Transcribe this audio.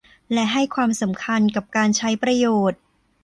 และให้ความสำคัญกับการใช้ประโยชน์